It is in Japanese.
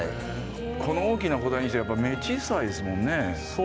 この大きな個体にしてはやっぱり目小さいですもんね。